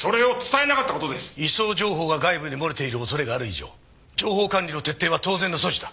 移送情報が外部に漏れている恐れがある以上情報管理の徹底は当然の措置だ。